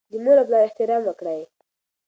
د مور او پلار احترام وکړئ.